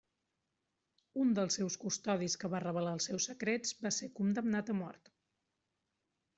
Un dels seus custodis que va revelar els seus secrets va ser condemnat a mort.